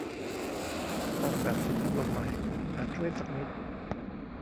สั่งแบบติดพัดลมไหม อาจช่วยสักนิด